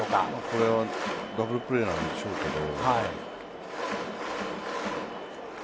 これはダブルプレーなんでしょうけど。